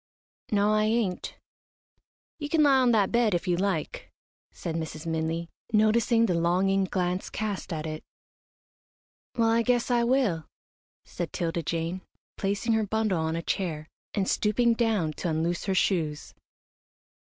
"No, I ain't." "You can lie on that bed if you like," said Mrs. Minley, noticing the longing glance cast at it. "Well, I guess I will," said 'Tilda Jane, placing her bundle on a chair, and stooping down to unloose her shoes.